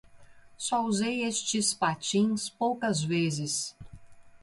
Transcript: Só usei estes patins poucas vezes.